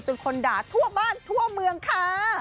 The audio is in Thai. คนด่าทั่วบ้านทั่วเมืองค่ะ